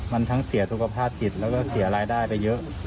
มันทั้งเสียสุขภาพจิตแล้วก็เสียรายได้ไปเยอะ